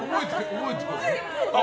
覚えてます？